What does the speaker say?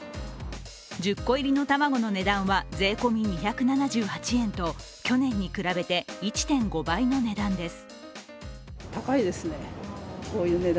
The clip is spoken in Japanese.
１０個入りの卵の値段は税込み２７８円と、去年に比べて１．５倍の値段です。